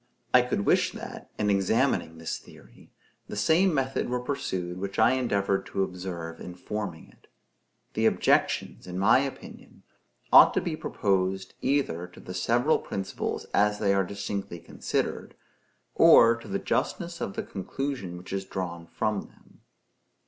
I could wish that, in examining this theory, the same method were pursued which I endeavored to observe in forming it. The objections, in my opinion, ought to be proposed, either to the several principles as they are distinctly considered, or to the justness of the conclusion which is drawn from them.